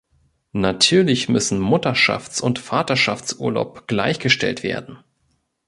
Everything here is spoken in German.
Natürlich müssen Mutterschafts- und Vaterschaftsurlaub gleichgestellt werden.